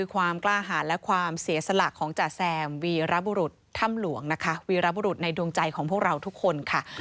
ข้าวไทยรัฐทีวีรายงาน